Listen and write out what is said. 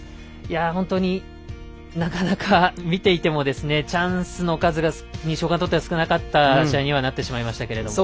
本当になかなか見ていてもチャンスの数が西岡にとっては少ない試合になってしまいました。